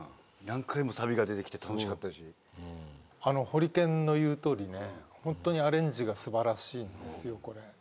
ホリケンの言うとおりねホントにアレンジが素晴らしいんですよ。